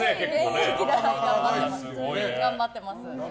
頑張ってます。